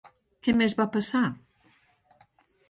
Què més va passar?